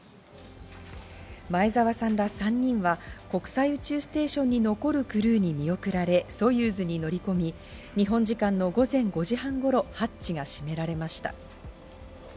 前澤さんら３人は国際宇宙ステーションに残るクルーに見送られ、ソユーズに乗り込み、日本時間の午前５時半頃ハッチが閉められました。